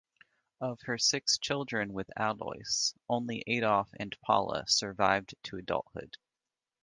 Of her six children with Alois, only Adolf and Paula survived to adulthood.